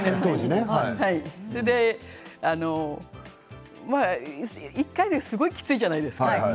それで１回ですごいきついじゃないですか。